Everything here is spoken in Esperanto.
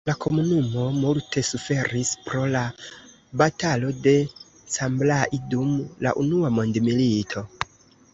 La komunumo multe suferis pro la batalo de Cambrai dum la Unua mondmilito.